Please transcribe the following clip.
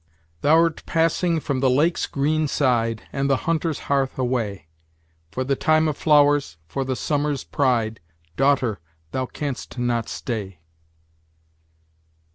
"Thou'rt passing from the lake's green side, And the hunter's hearth away; For the time of flowers, for the summer's pride, Daughter! thou canst not stay."